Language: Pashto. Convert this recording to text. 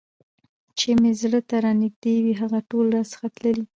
چي مي زړه ته رانیژدې وي هغه ټول راڅخه تللي